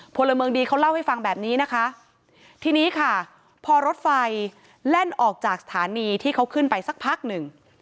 พลเมืองดีเขาเล่าให้ฟังแบบนี้นะคะทีนี้ค่ะพอรถไฟแล่นออกจากสถานีที่เขาขึ้นไปสักพักหนึ่ง